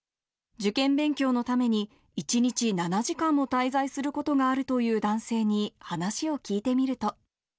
受験勉強のために、１日７時間も滞在することがあるという男性に話を聞いてみると。